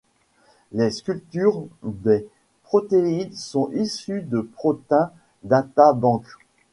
Les structures des protéines sont issues de Protein Data Bank.